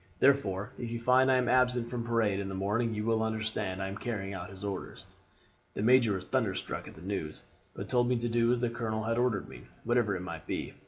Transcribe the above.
Therefore, if you find I am absent from parade in the morning you will understand I am carrying out his orders.' "The major was thunderstruck at the news, but told me to do as the colonel had ordered me, whatever it might be.